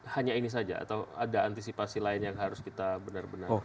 hanya ini saja atau ada antisipasi lain yang harus kita benar benar